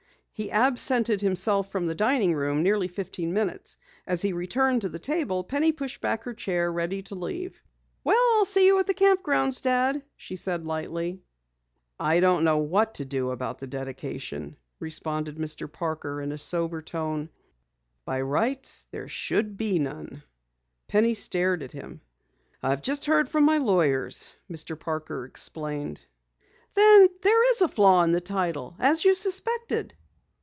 He absented himself from the dining room nearly fifteen minutes. As he returned to the table, Penny pushed back her chair, ready to leave. "Well, I'll see you at the camp grounds, Dad," she said lightly. "I don't know what to do about the dedication," responded Mr. Parker in a sober tone. "By rights there should be none." Penny stared at him. "I've just heard from my lawyers," Mr. Parker explained. "Then, there is a flaw in the title as you suspected!"